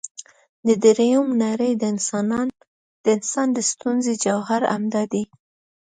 د درېمې نړۍ د انسان د ستونزې جوهر همدا دی.